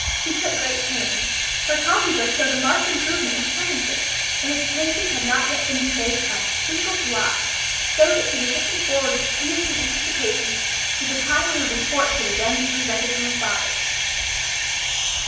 She took great pains, her copy book showed a marked improvement in her penmanship, and its pages had not yet been defaced by a single blot, so that she was looking forward with pleasing anticipations to the time when her report should again be presented to her father.